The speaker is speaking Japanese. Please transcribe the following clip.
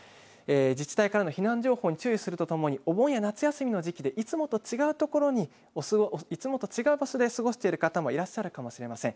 自治体からの避難情報に注意するとともに、お盆や夏休みの時期でいつもと違う所に、いつもと違う場所で過ごしている方もいらっしゃるかもしれません。